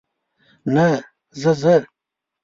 نه، زه، زه.